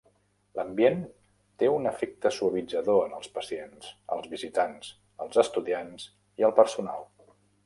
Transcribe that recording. L'ambient té un efecte suavitzador en els pacients, els visitants, els estudiants i el personal.